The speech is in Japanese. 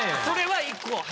それは一個。